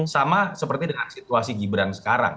sama seperti dengan situasi gibran sekarang